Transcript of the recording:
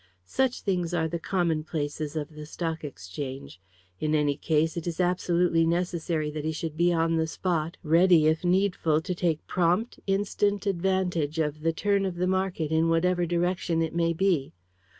Such things are the commonplaces of the Stock Exchange. In any case, it is absolutely necessary that he should be on the spot, ready, if needful, to take prompt, instant advantage of the turn of the market in whatever direction it may be.